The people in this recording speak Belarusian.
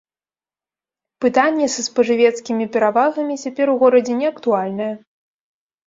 Пытанне са спажывецкімі перавагамі цяпер у горадзе неактуальнае.